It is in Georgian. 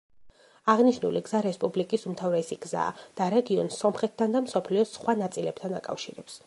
აღნიშნული გზა რესპუბლიკის უმთავრესი გზაა და რეგიონს სომხეთთან და მსოფლიოს სხვა ნაწილებთან აკავშირებს.